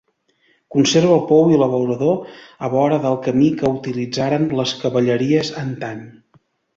Conserva el pou i l'abeurador a vora del camí que utilitzaren les cavalleries antany.